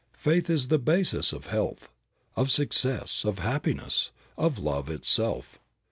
Faith is the basis of health, of success, of happiness, of love itself.